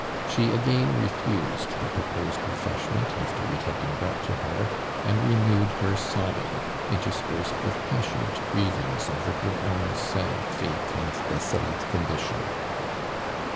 She again refused the proposed refreshment after it had been brought to her, and re newed her sobbing, interspersed with pas sionate grievings over her own sad fate and desolate condition.